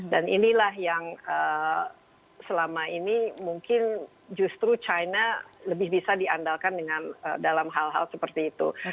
dan inilah yang selama ini mungkin justru china lebih bisa diandalkan dengan dalam hal hal seperti itu